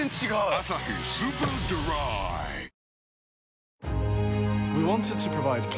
「アサヒスーパードライ」あ！